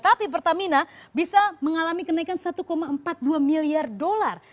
tapi pertamina bisa mengalami kenaikan satu empat puluh dua miliar dolar